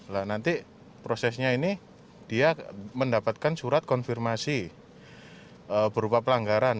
nah nanti prosesnya ini dia mendapatkan surat konfirmasi berupa pelanggaran